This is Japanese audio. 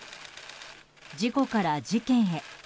事故から事件へ。